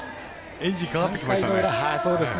エンジンかかってきましたね。